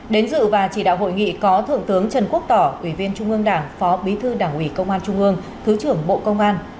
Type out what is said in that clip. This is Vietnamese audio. đến dự và chỉ đạo hội nghị có thượng tướng trần quốc tỏ ủy viên trung ương đảng phó bí thư đảng ủy công an trung ương thứ trưởng bộ công an